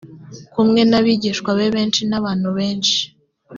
kumwe n’abigishwa be benshi n’abantu benshi